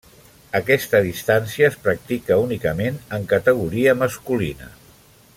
Aquesta distància es practica únicament en categoria masculina.